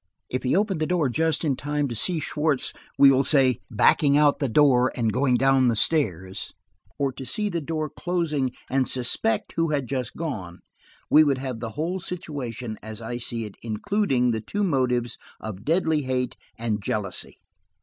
If he opened the door just in time to see Schwartz, we will say, backing out the door and going down the stairs, or to see the door closing and suspect who had just gone, we would have the whole situation, as I see it, including the two motives of deadly hate and jealousy."